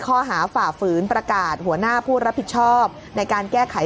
ฝ่าฝืนประกาศหัวหน้าผู้รับผิดชอบในการแก้ไข